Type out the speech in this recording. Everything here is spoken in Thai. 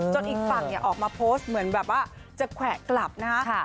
อีกฝั่งออกมาโพสต์เหมือนแบบว่าจะแขวะกลับนะฮะ